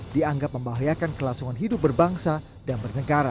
dianggap membahayakan kelangsungan hidup berbangsa dan bernegara